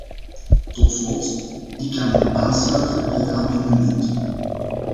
Tot slot, ik kan mij aansluiten bij de amendementen.